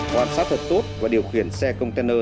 hoàn sát thật tốt và điều khiển xe công tư nư